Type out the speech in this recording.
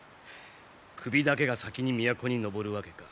首だけが先に都に上るわけか。